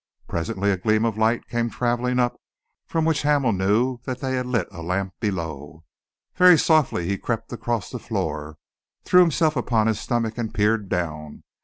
Presently a gleam of light came travelling up, from which Hamel knew that they had lit a lamp below. Very softly he crept across the floor, threw himself upon his stomach and peered down.